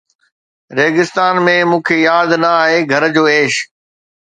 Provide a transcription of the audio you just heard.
ريگستان ۾، مون کي ياد نه آهي گهر جو عيش